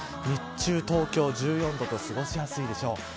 日中、東京１４度と過ごしやすいでしょう。